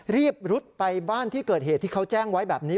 รุดไปบ้านที่เกิดเหตุที่เขาแจ้งไว้แบบนี้